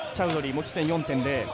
持ち点４．０。